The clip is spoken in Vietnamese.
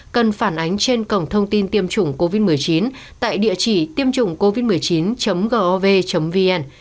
cần phản ánh trên cổng thông tin tiêm chủng covid một mươi chín tại địa chỉ tiêm chủng covid một mươi chín gov vn